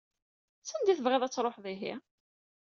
Sanda i tebɣiḍ ad tṛuḥeḍ ihi?